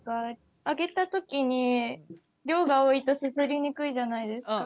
上げた時に量が多いとすすりにくいじゃないですか。